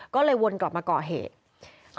ก็เลยวนกลับมาหาเหยื่อ